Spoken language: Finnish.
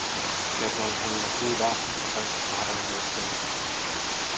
Kerroin heille suu vaahdossa kaikista havainnoistani.